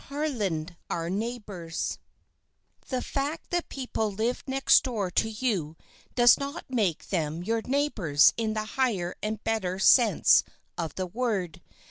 CHAPTER XXXII OUR NEIGHBORS THE fact that people live next door to you does not make them your neighbors in the higher and better sense of that word.